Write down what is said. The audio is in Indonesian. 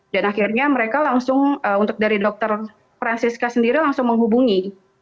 dan akhirnya mereka langsung untuk dari dokter francisca sendiri langsung menghubungi